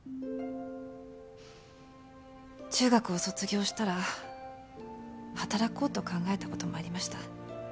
中学を卒業したら働こうと考えた事もありました。